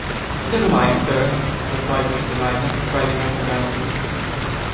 ‘Never mind, sir,’ replied Mr. Magnus, striding up and down the room.